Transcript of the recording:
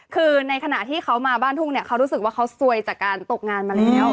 คือในขณะที่เขามาบ้านทุ่งเนี่ยเขารู้สึกว่าเขาซวยจากการตกงานมาแล้ว